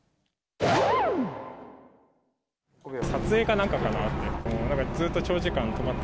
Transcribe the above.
撮影かなんかかなって。